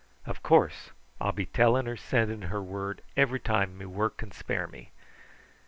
Of course, I'll be telling or sending her word every time me work can spare me.